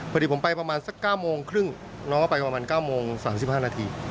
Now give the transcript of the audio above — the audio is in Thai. ผัสดีผมไปประมาณ๙๓๐นน้องก็ไปประมาณ๙๓๕น